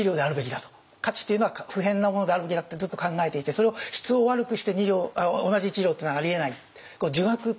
価値っていうのは不変なものであるべきだってずっと考えていてそれを質を悪くして同じ１両っていうのはありえない。